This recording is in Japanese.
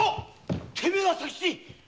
てめえは佐吉！